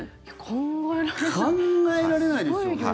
考えられないですよね。